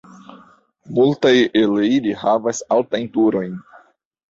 Multaj el ili havas altajn turojn.